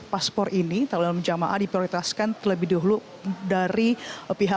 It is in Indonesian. empat belas paspor ini calon jama'a diprioritaskan lebih dulu dari pihak pihak dari agen yang aguntanya banyak